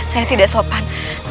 saya tidak sopan